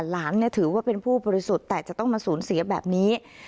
หลานถือว่าเป็นผู้บริสุทธิ์แต่จะต้องมาสูญเสียแบบนี้